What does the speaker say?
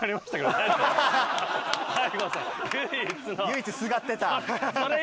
唯一すがってた。